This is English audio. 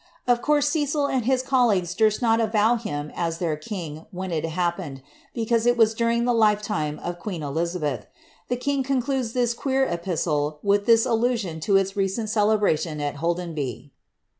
Of course, Cecil and his colleagues durst not stow nim as their king when it happened, because it was during the lifetime of queen Elizabeth. The king concludes his queer epistle with this alla sion to its recent celebration at Holdenby.